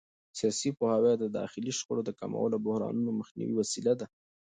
سیاسي پوهاوی د داخلي شخړو د کمولو او بحرانونو مخنیوي وسیله ده